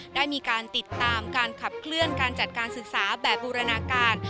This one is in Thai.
ได้มีการติดตามการขับเคลื่อนการจัดการศึกษาแบบบูรณาการ